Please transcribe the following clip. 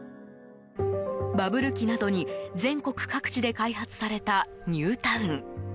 バブル期などに全国各地で開発されたニュータウン。